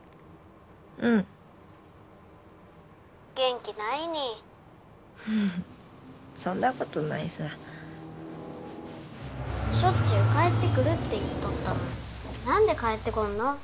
うん☎元気ないにそんなことないさ☎しょっちゅう帰ってくるって言っとったのに何で帰ってこんの？